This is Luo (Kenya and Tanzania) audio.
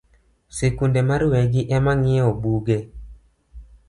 Sikunde mar wegi emang’iewo buge